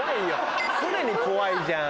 既に怖いじゃん。